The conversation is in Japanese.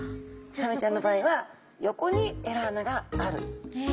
サメちゃんの場合は横にエラ穴がある。